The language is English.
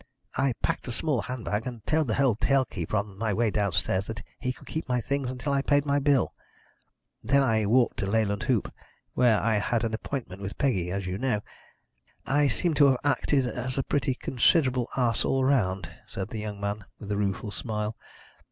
I packed a small handbag, and told the hotel keeper on my way downstairs that he could keep my things until I paid my bill. Then I walked to Leyland Hoop, where I had an appointment with Peggy, as you know. I seem to have acted as a pretty considerable ass all round," said the young man, with a rueful smile.